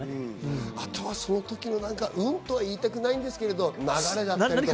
あとはその時の運とは言いたくないですけど、流れとか。